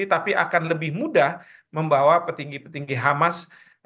tapi akan lebih mudah membawa petinggi petinggi hamas